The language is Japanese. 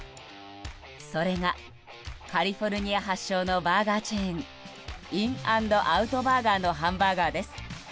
それが、カリフォルニア発祥のバーガーチェーンインアンドアウトバーガーのハンバーガーです。